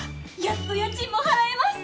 やっと家賃も払えます！